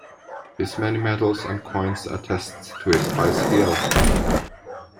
His many medals and coins attest to his high skill.